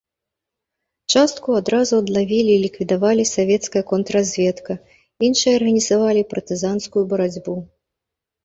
Частку адразу адлавілі і ліквідавалі савецкая контрразведка, іншыя арганізавалі партызанскую барацьбу.